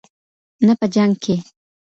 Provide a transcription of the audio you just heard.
نه په جنګ کې.